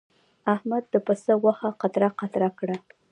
احمد د پسه غوښه قطره قطره کړه.